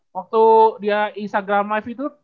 waktu dia instagram live itu